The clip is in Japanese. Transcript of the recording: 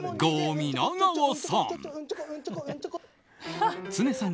皆川さん。